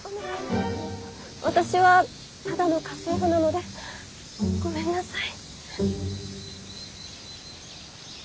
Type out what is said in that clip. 私はただの家政婦なのでごめんなさい。